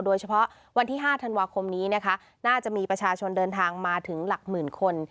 วันที่๕ธันวาคมนี้นะคะน่าจะมีประชาชนเดินทางมาถึงหลักหมื่นคน